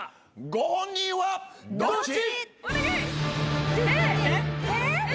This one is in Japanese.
ご本人はどっち？